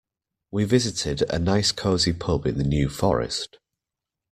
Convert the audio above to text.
We visited a nice cosy pub in the New Forest.